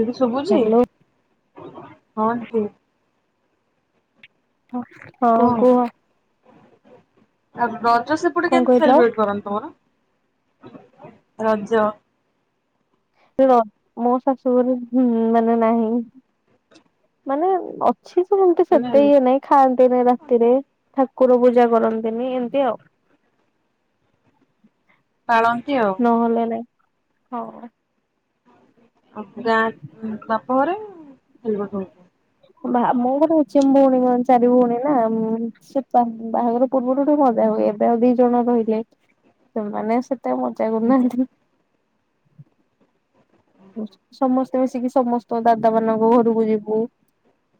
ଏଠି ଶୁଭୁଚି। ହ୍ୟାଲୋ [unintelligible] ହଁ କୁହ। [unintelligible] ରଜ ସେପଟେ କଣ କେମିତି କହିଲ ସେଲିବ୍ରେଟ୍ କରନ୍ତି ତମର। ରଜ। ମୋ ଶାଶୁଘର ମାନେ ନାହିଁ ମାନେ ଅଛି ଯେ ସେତେ ମାନେ ଇଏ ନାହିଁ ଖାଆନ୍ତିନି ରାତିରେ। ଠାକୁର ପୂଜା କରନ୍ତିନି ଏମିତି ଆଉ। ପାଳନ୍ତି ଆଉ। ହଉ। ଆଉ ଗାଁ ବାପ ଘରେ [unintelligible] ବା ମୋ ମୋ ଘରେ ଅଛି, ମୋର ଚାରି ଭଉଣୀ ନା ସେ ବାହାଘର ପୂର୍ବରୁୁ ଗୋଟେ ମଜା ହୁଏ ଏବେ ଆଉ ଦି ଜଣ ରହିଲେ। ସେମାନେେ ସେ କେତେ ମଜା କରୁ ହୁଁ ନାହାନ୍ତି। ସମସ୍ତେ ମିଶିକି ସମସ୍ତ ଦାଦା ମାନଙ୍କ ଘରକୁ ଯିବୁ।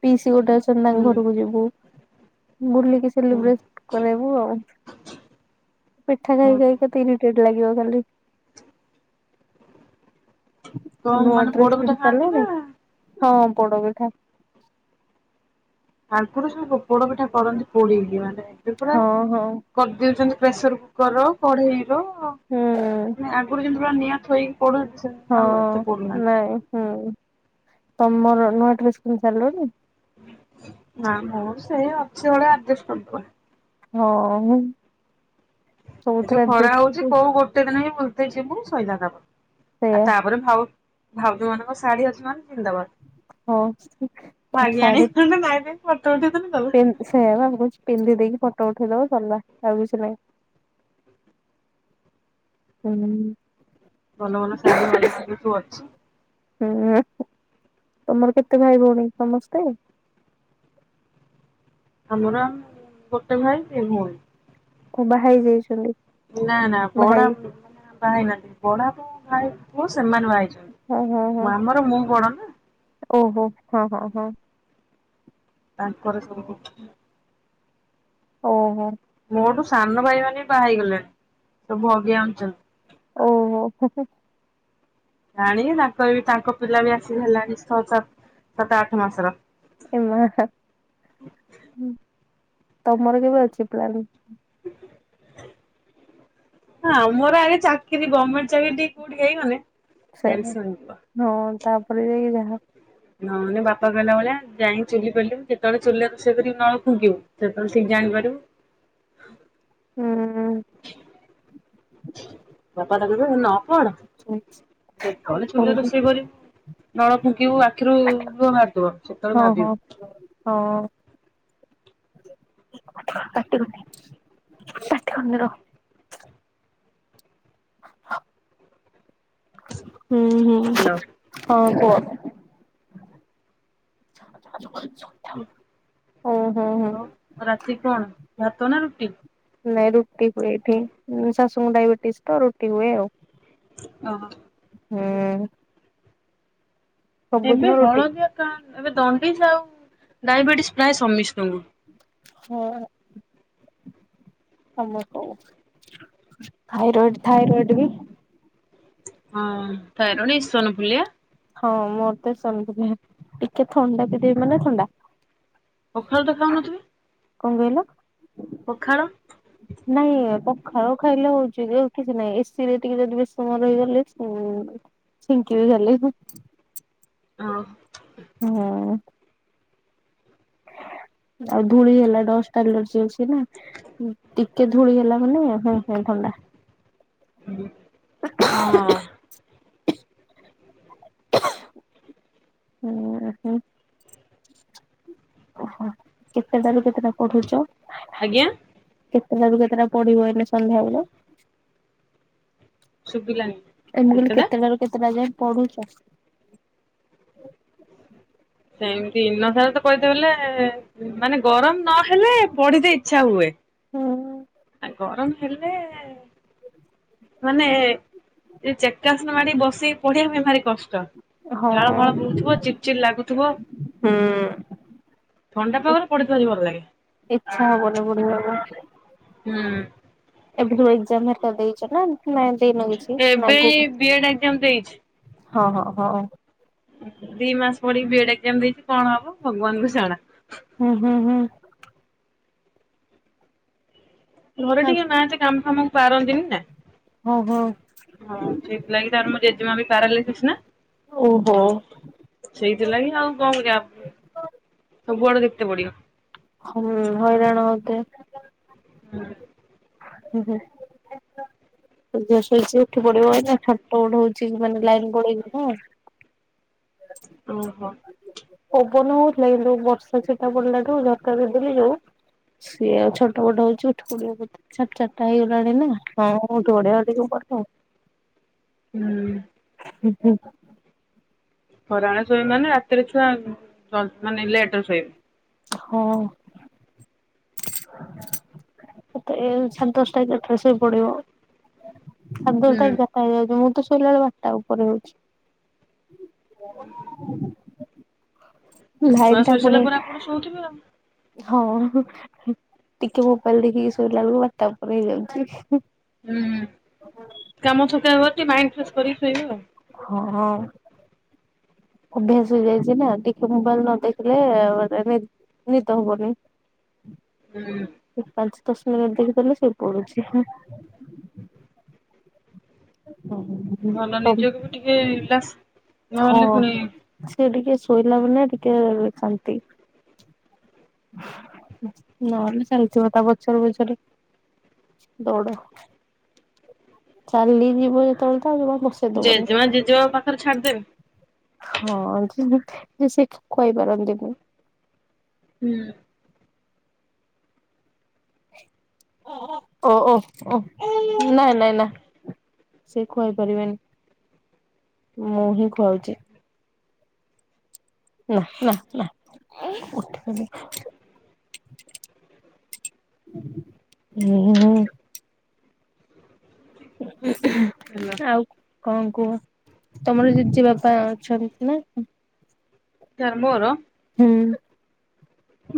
ପିଇସ ଗୋଟେ ଡ୍ରେସ୍ ପିନ୍ଧନା ଘରକୁ ହୁଁ ଯିବୁ। ବୁଲିକି ସେଲିବ୍ରେଟ କରେଇବୁ ଆଉ। ପିଠା ହଁ ଖାଇକା ତିନି ଟାଇମ୍ ଲାଗିବ ଖାଲି। ଆଉ କଣ ନୂଆ ମାନେ ଡ୍ରେସ ପୋଡପିଠା କିଣି ଖାଆନ୍ତି ନା ସାରିଲଣି? ହଁ। ପୋଡ଼ ପିଠା। ତାଙ୍କର ସବୁ ପୋଡ ପିଠା କରନ୍ତି ପୋଡିକି ମାନେ ଏ ପୁରା ହଁ ହଁ କରିଦଉଚନ୍ତି। ପ୍ରେସର କୁକରର କଢେଇ ହ ହୁଁ ଆମେ ଆଗରୁ ଯେମତି ପୁରା ନିଆଁ ଥୋଇକି ପୋଡୁଛନ୍ତି ସେମିତି ହଁ, ଆଉ ଏତେ ପୋଡୁନାହାନ୍ତି। ନାଇଁ। ହୁଁ। ତମର ନୂଆ ଡ୍ରେସ କିଣି ସାରିଲଣି? ନା, ମୋର ସେ ଅଛି ଭଳିଆ ଆଡଜେଷ୍ଟ କରି ଦେବା। ହଁ। ଏ ଯଉ ସବୁଥିରେ ଖରା ଡ୍ରେସ ହଉଚି, କୋଉ ଗୋଟେ ଦିନ ହିଁ ବୁ ରେ ଯିବୁ ସଇଲା ତାପରେ। ଆ ସେଇଆ ତାପରେ ଭାବ ଭାଉଜ ମାନେ ମୋ ଶାଢୀ ଅଛି ମାନେ ପିନ୍ଧିଦବା। ହଁ ମାଗିଆଣି ନହଲେ [unintelligible] ତିନ୍ ସେୟା ବା ମୁଁ କହୁଚି ପିନ୍ଧି ଦେଇକି ଫଟ୍ ଟ ଉଠଇ ଦବା ସରିଲା ଆଉ କିଛି ନାହିଁ, ହୁଁ। ଭଲ ଭଲ ଶାଢୀ ଭାଉଜ ମାନଙ୍କର ସବୁ ଅଛି। ହୁଁ, ତମର କେତେ ଭାଇ ଭଉଣୀ ସମସ୍ତେ? ଆମର ଗୋଟେ ଭାଇ, ଦି ଭଉଣୀ। ବାହା ହେଇ ଯାଇଛନ୍ତି? ନା, ନା, ବଡ ଭାଇ ମାନେ ବାହା ହେଇ ନାହାନ୍ତି। ବଡ଼ ବୋଉ ଭାଇ ପୁଶ ସେମାନେ ବାହା ହେଇଚନ୍ତି, ହଁ ହଁ ହଁ ଆମର ମୁଁ ବଡ଼ ନା। ଓହୋ, ହଁ, ହଁ, ହଁ। ତାଙ୍କର ସବୁ। ଓହୋ ମୋଠୁ ସାନ ଭାଇ ମାନେ ବାହା ହେଇଗଲେଣି ସବୁ ଅଗ୍ଞା ଆଛନ୍ତି। ଓହୋ ଜାଣିକି ତାଙ୍କ ଏ ତାଙ୍କ ପିଲା ବି ଆସିକି ହେଲାଣି ଛଅ ସାତ ସାତ ଆଠ ମାସର। ଏ ମା ହ ତମର କେବେ ଅଛି ପ୍ଲାନ? ହଁ ମୋର ଆଗେ ଚାକିରୀ ଗମେଣ୍ଟ ଚାକିରି ଟିକେ କୋଉଠି ହେଇଗଲେ ସେ ଟେନସନ ଯିବ। ହଁ ତାପରେ ଯାଇକି ଯାହା। ମାନେ ବାପା କହିଲା ଭଳିଆ ବ୍ୟାଙ୍କ୍ ଚାକିରି କଲେ ଯେତେବେଳେ ଚୁଲିରେ ରୋଷେଇ କରି ନ ଫୁଙ୍କିବୁ ସେତେବେଳେ ଠିକ ଜାଣିପାରିବୁ। ହୁଁ [unintelligible] ନ କଣ ଯେତେବେଳେ ଚୁଲି କଣ ରେ କୁ ରୋଷେଇ କରିବୁ। ନଳ ଫୁଙ୍କିବୁ ଆ ଆଖିରୁ ଲୁହ ବାହାରିବ ସେତେବେଳେ ଭାବିବୁ। ପାଟି କରନି ପାଟି କରନି ରହ। [unintelligible] ହୁଁ ହୁଁ ହ୍ୟାଲୋ ହଁ କୁହ। [inaudible] ହୁଁ ହୁଁ ହୁଁ ହଁ ରାତି କଣ ରା ତ ନା ରୁଟି ନାଇଁ ରୁଟି ହୁଏ ଏଠି ଶାଶୁଙ୍କୁ ଡାଇବେଟିସ ତ ରୁଟି ହୁଏ ଆଉ। ହଁ ହଁ ହଁ ଏବେ ହଳଦିଆ କା ଏବେ ଦ ଡାଇବେଟିସ୍ ପ୍ରାୟ ସମସ୍ତଙ୍କୁ। ହଁ ହଁ ଆମେ ତ ଥାଇରଇଡ ଥାଇରଏଡ ବି ହଁ ଥାଇରଏଡ, ଇସନଫୁଲିଆ ହଁ ମୋର ତ ସେମିତି ଟିକେ ଥଣ୍ଡା ପି ଦେବି ମାନେ ଥଣ୍ଡା। ପଖାଳ ତ ଖାଉନଥିବେ କଣ କହିଲ? ପଖାଳ। ନାଇଁ ପଖାଳ ଖାଇଲେ ହଉଛି ଯେ କିଛି ନାହିଁ ଏସି ରେ ଟିକେ ଯଦି ବେଶ ସମୟ ରହିଗଲେ ଛିଙ୍କିବି ଖାଲି। ହଁ ହଁ ଆଉ ଧୂଳି ହେଲା ଦଶ୍ଟ ଏଲର୍ଜି ଅଛି ନା ଟିକେ ଧୂଳି ହେଲା। ମାନେ ହୁଁ ହୁଁ ଥଣ୍ଡା। ହଁ ହୁଁ ହଁ ଓହୋ କେତେଟାରୁ କେତେଟା ପଢୁଛ। ଆଜ୍ଞା। କେତେଟାରୁ କେତେଟା ପଡିବ ଏଇନେ ସନ୍ଧ୍ୟାବେଳେ? ଶୁଭିଲାନି। ଏମ ମୁଁ କହିଲି କେତେଟା କେତେଟାରୁ କେତେଟା ଯାଏ ପଢୁଛ? [unintelligible] ସେମିତି ଦିନସାରା ତ କହିତେ ବଲେ ମାନେ ଗରମ ନହେଲେ ପଢିିତେ ଇଚ୍ଛା ହୁଏ। ହୁଁ ଗରମ ହେଲେ ମାନେ ଚେକାସନ ମାଡି ବସିକି ପଢିବା ପାଇଁ ଭାରି କଷ୍ଟ ହଁ ଝାଳ ଫାଳ ବୁହୁଥିବ ଚିଡ ଚିଡ ଲାଗୁଥିବ ହୁଁ। ଥଣ୍ଡା ପାଗରେ ପଢିତେ ଭାରି ଭଲ ଲାଗେ ଇଚ୍ଛା ହବନି ପଢିବାକୁ ହୁଁ ଏବେଠୁ ଏକ୍ଜାମ ହେରିକା ଦେଇଛ ନା ନା ଦେଇନ କିଛି? ନା ଏବେ ଏଇ ଆଗକୁ ବି ଏଡ ଏକ୍ଜାମ ଦେଇଛି ହଁ ହଁ ହଁ ଦି ମାସ ପଡିକି ବି ଏଡ ଏକ୍ଜାମ ଦେଇଛି କଣ ହବ ଭଗବାନଙ୍କୁ ଜଣା ହୁଁ ହୁଁ ହୁଁ ଘରେ ଟିକେ ନାଁ ଜେ କାମ ଆମକୁ ପାରନ୍ତିିନି ନା ହଁ ହଁ ହଁ ସେଇଥିଲାଗି ତାର ମୋ ଜେଜେମା ବି ପାରାଲିସିସ୍ ନା ଓହୋ ହଉ ସେଇଥିଲାଗି ଆଉ କଣ କରିବା ସବୁଆଡେ ଦେଖିତେ ପଡିବ। ହୁଁ ହଇରାଣ ହତେ ହୁଁ। ହ ହୁଁ ଝିଅ ଶୋଇଛି ଉଠି ପଡିବ ଛଟପଟ ହଉଛି ମାନେ ଲାଇନ ପଳେଇଚି ନା ଓହୋ। ପବନ ହଉଥିଲା କିନ୍ତୁ ଯୋଉ ବର୍ଷା ଛିଟା ପଡିଲାଠୁ ଝରକା ଦେଇଦେଲି ଯୋଉ ସିଏ ଆଉ ଛଟପଟ ହଉଛି ଉଠି ପଡ଼ିବ ବୋଧେ ସାଢ଼େ ଚାରିଟା ହେଇଗଲାଣି ନା ହଁ ପଡିଲ ହୁଁ। ହୁଁ ହୁଁ। ହଇରାଣରେ ଶୋଇବି ମାନେ ରାତିରେ ଛୁଆ ମାନେ ଲେଟରେ ଶୋଇବେ ହଁ। ଏତେ ସନ୍ତୋଷ ଟାଇ ଡ୍ରେସ ବି ପଡିବ । ସାଢ଼େ ଦଶଟା ହୁଁ ଏଗାର ଟା ହେଇଯାଉଛି ମୁଁ ମୁଁ ତ ଶୋଇଲା ବେଳକୁ ବାରଟା ଉପରେ ହଉଛି। ଛୁଆ ଲାଇନ ଟା ଶୋଇ ପୁଣି ସାରିଲା ପରେ ଆପଣ ଶୋଉଥିବେ ଆଉ। ହଁ ଟିକେ ମୋବାଇଲ ଦେଖିକି ଶୋଇଲା ବେଳକୁ ବାରଟା ଉପରେ ହେଇଯାଉଛି। ହୁଁ କାମ ଥକାବତ ଟିକେ ମାଇଣ୍ଡ ଫ୍ରେଶ କରିକି ଶୋଇବା ଆଉ। ଓ ହଁ। ଅଭ୍ୟାସ ହେଇଯାଇଛି ନା ଟିକେ ମୋବାଇଲ ନ ଦେଖିଲେ ମାନେ ନିଦ ହବନି। ହୁଁ। ପାଞ୍ଚ ଦଶ ମିନିଟ ଦେଖିଦେଲେ ଶୋଇ ପଡୁଛି । ଭଲ ନିଜକୁ ବି ଟିକେ ରିଲାକ୍ସ ନହେଲେ ହଁ ପୁଣି ସେ ଟିକେ ଶୋଇଲା ମାନେ ଟିକେ ଶାନ୍ତି। ନହେଲେ ଚାଲିଥିବ ତା ବଛର ବଛର ଦୌଡ ଚାଲିଯିବ ଯେତେବେଳେ ତା ଜମା ବସେଇ ଦବନି ଜେଜେମା ଜେଜେମା ପାଖରେ ଛାଡିଦେବେ । ହଁ ଯେ ସେ କହିପାରନ୍ତିନି। ହୁଁ। ଓ ଓ ଓ ନାଇଁ ନାଇଁ ନା ସେ ଖୁଆଇ ପାରିବେନି ମୁଁ ହିଁ ଖୁଆଉଛି। ନା ନା ନା ଉଠନୁ ହୁଁ-ଉ-ଉ । ହେଲା ଆଉ କଣ କୁହ ତମର ଜେଜେ ବାପା ଅଛନ୍ତି ନା? କାହାର ମୋର? ହୁଁ।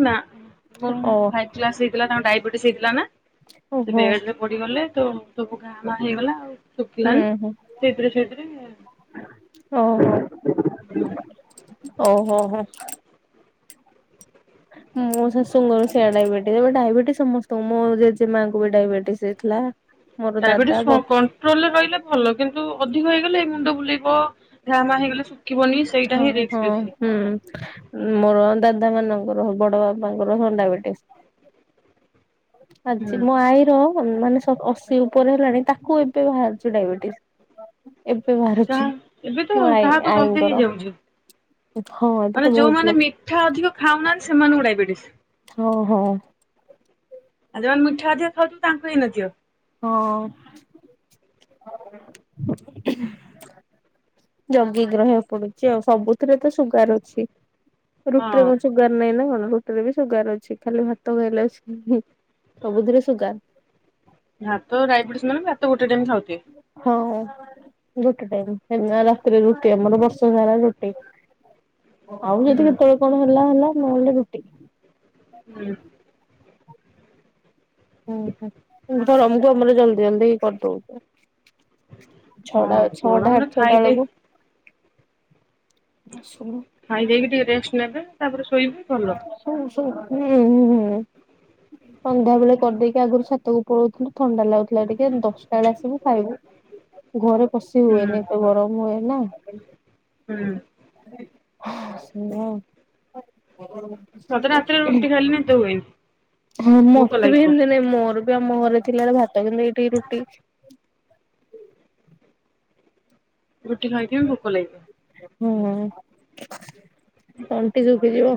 ନା। ମୋର ଫାଇଭ୍ କ୍ଲାସ୍ ହେଇଥିଲା ତାଙ୍କ ଡାଇବେଟିସ୍ ହେଇଥିଲା ନା? ସେ ଓହୋ ବେଡରେ ପଡିଗଲେ ତ ସବୁ ଘା ମା ହେଇଗଲା ଆଉ । ହୁଁ ହଁ ଓହୋ ଓହୋ ହୋ। [inaudible] ମୋ ଶାଶୁଙ୍କର ସେଆ ଡାଇବେଟିସ୍। ଏବେ ଡାଇବେଟିସ ସମସ୍ତଙ୍କୁ ମୋ ଜେଜେ ମାଆଙ୍କୁ ବି ଡାଇବେଟିସ୍ ହେଇଥିଲା। ମୋର ଦାଦା ଡାଇବେଟିସ୍ ହ ବ କଣ୍ଟ୍ରୋଲରେ ରହିଲେ ଭଲ। କିନ୍ତୁ ଅଧିକ ହେଇଗଲେ ମୁଣ୍ଡ ବୁଲେଇବ ନା [unintelligible] ହଁ ହଁ ହୁଁ ମୋର ଦାଦା ମାନଙ୍କର, ବଡ ବାପାଙ୍କର ସବୁ ଡାଇବେଟିସ୍। ଆଜି ହୁଁ ମୋ ଆଈର ମାନେ ସ ଅଶୀ ଉପରେ ହେଲାଣି ତାକୁ ଏବେ ବାହାରୁଚି ଡାଇବେଟିସ୍। ଏବେ ବାହାରୁଛି ଏବେତ ମୋ ଆଈ କାହାକୁ ଜଲଦି ଆଈଙ୍କର ହେଇଯାଉଚି। ହଁ ଏବେ ତ ମାନେ ବହୁତ ଯୋଉମାନେ ଲୋକ ମିଠା ଅଧିକ ଖାଉନାହାନ୍ତି ସେମାନଙ୍କୁ ଡାଇବେଟିସ୍ ଓ ହୋ ଆଉ ଯୋଉମାନେ ମିଠା ଅଧିକ ଖାଉଥିବେ ତାଙ୍କୁ ହେଇନଥିବ‌। ହଁ। ଜଗିକି ରହିବା ପଡୁଚି ଆଉ। ସବୁଥିରେ ତ ସୁଗାର ଅଛି। ରୁଟିରେ ହଁ କଣ ସୁଗାର ନାହିଁନା କଣ? ରୁଟିରେ ବି ସୁୁଗାର ଅଛି। ଖାଲି ଭାତ ଖାଇଲେ ଆସିକି ସବୁଥିରେ ସୁଗାର ଭାତ ଡାଇବେଟିସ ମାନେ ଭାତ ଗୋ ହଁ। ଗୋଟେ ଟାଇମ୍ ନା ରାତିରେ ରୁଟି ଆମର ବର୍ଷ ସାରା ରୁଟି। ଆଉ ଯଦି ହୁଁ କେତେବେଳେ କଣ ହେଲା ହେଲା ନ‌ହେଲେ ରୁଟି। ହୁଁ ଉଁ ହୁଁ ଧର ମୁଁ ଗରମରେ ଜଲ୍ଦୀ ଜଲ୍ଦୀ କରିଦଉ। ଛଅଟା, ହଁ ଛଅଟା ସାଢେ ଗରମରେ ଛଅଟା ବେଳକୁ ଶୁଣୁ ଖାଇ ଦେଇକି ଟିକେ ରେଷ୍ଟ ନେବେ ତାପରେ ଶୋଇବେ ଭଲ। ଶୁ଼ଁ ଶୁଁ [unintelligible] ସନ୍ଧ୍ୟା ବେଳେ କରିଦେଇକି ଆଗରୁ ଛାତକୁ ପଳୋଉ ଥିଲୁ ଥଣ୍ଡା ଲାଗୁଥିଲା ଟିକେ ଦଶଟା ବେଳେ ଆସିବୁ ଖାଇବୁ [inaudible] ଘରେ ବସି ହୁଁ ହୁଏନି ଏତେ ଗରମ ହୁଏ ନା ହୁଁ [unintelligible] ସତରେ ରାତିରେ ରୁଟି ଖାଇଲେ ନିଦ ହୁଏନି। ହଁ ଭୋକ ମତେ ବି ଲାଗିବ। କେମିତି ଦିନେ ମୋର ଆମ ଘରେ ଥିଲାର ଭାତ କିନ୍ତୁ ଏଇଠି ରୁଟି। [inaudible] ରୁଟି ଖାଇକି ବି ଭୋକ ଲାଗିବ। ହୁଁ [inaudible] ତଣ୍ଟି ଶୁଖିଯିବ।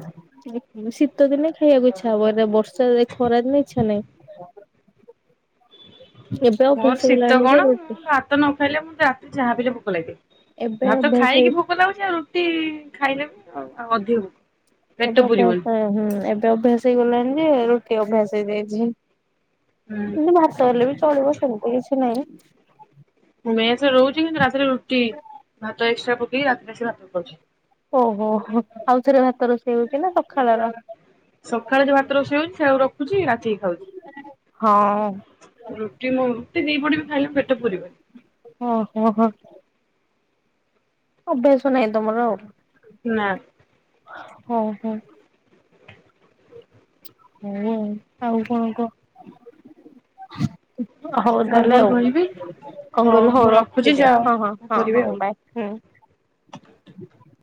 ଶୀତ ଦିନେ ଖାଇବାକୁ ଇଛା ହବ ଏ ବର୍ଷା ସେ ଖରା ଦିନ ଇଚ୍ଛା ନାହିଁ। ଏବେ ମୋର ଅଭ୍ୟାସ ଶୀତ ହେଇଗଲାଣି ଯେ କଣ ମୁଁ ରୁଟି ଭାତ ନ ଖାଇଲେ ମୁଁ ଯା ଯାହା ବି ହେଲେ ଭୋକ ଲାଗେ। ଏବେ ଭାତ ଅଭ୍ୟାସ ହେଇ ଖାଇକି ଭୋକ ଲାଗୁଛି ଆଉ। ଟି [inaudible] ପେଟ ଏବେ ପୁରିବନି। ଅଭ୍ୟାସ ହୁଁ ଏବେ ଅଭ୍ୟାସ ହେଇଗଲେ। ଯେ ରୁଟି ଅଭ୍ୟାସ ହେଇଯାଇଚି। ହୁଁ କିନ୍ତୁ ଭାତ ହେଲେ ବି ଚଳିବ ସେମିତି କିଛି ନାହିଁ। [inaudible] ମୁଁ ମେସ୍ ରହୁଛି କିନ୍ତୁ ରାତିରେ ରୁଟି ଭାତ ଏକ୍ସଟ୍ରା ପକେଇକି ରାତିରେ ଆସି ଭାତକୁ ଖାଉଛି। ଓହୋହୋ ଆଉଥରେ ଭାତ ରୋଷେଇ ହଉଚି, ନା ସକାଳର? ଉଛି ରା ଟି ଖାଉଛି ହଁ [inaudible] ରୁଟି ମୁଁ ଦି ପଟ ଖାଇଲେବି ମୋ ପେଟ ପୁରିବନି। ଓହୋ ହୋ। ଅଭ୍ୟାସ ନାହିଁ ତମର ଆଉ। ନାଁ। ହ ହୋ। ହୁଁ। ଆଉ କଣ କହ? [inaudible] ହଉ ତାହେଲେ କଣ ଆଉ, କହିବି କଣ କହିଲ ହଉ ମୁଁ ରଖୁଛି ରଖିଦିଅ ହଁ ହଁ ଯାଅ ହଁ କରିବେ ହଁ ଆଉ। ବାଏ ହଁ। [inaudible]